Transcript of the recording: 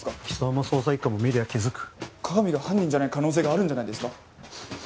機捜も捜査一課も見りゃ気づく加々見が犯人じゃない可能性があるんじゃないですか？